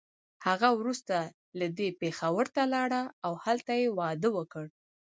هغه وروسته له دې پېښور ته لاړه او هلته يې واده وکړ.